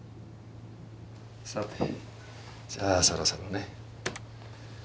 さてじゃあそろそろね。